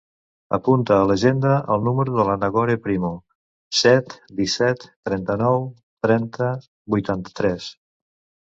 Apunta a l'agenda el número de la Nagore Primo: set, disset, trenta-nou, trenta, vuitanta-tres.